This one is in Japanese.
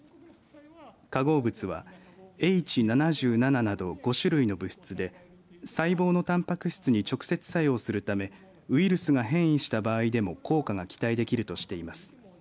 化合物はＨ−７７など５種類の物質で細胞のタンパク質に直接作用するためウイルスが変異した場合でも効果が期待できるとしています。